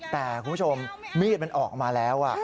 แต่คุณผู้ชมมีดมันออกมาแล้ว